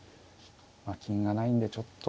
まあ金がないんでちょっと。